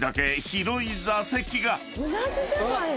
同じじゃないの？